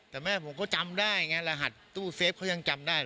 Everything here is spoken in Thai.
แต่แม่ผมก็จำได้ไงรหัสตู้เซฟเขายังจำได้